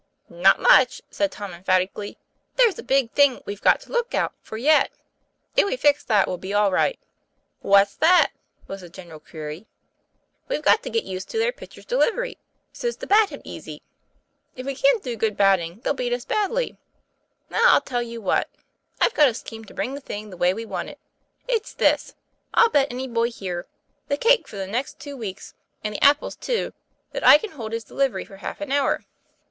'Not much!" said Tom emphatically. 'There's a big thing we've got to look out for yet; if we fix that we'll be all right." 'What's that?" was the general query. 'We've got to get used to their pitcher's delivery, so's to bat him easy. If we can't do good batting, they'll beat us badly. Now, I'll tell you what; I've got a scheme to bring the thing the way we want it. It's this: I'll bet any boy here the cakes for the 14 2io TOM PLAY FAIR. next two weeks, and the apples too, that I can hold his delivery for half an hour."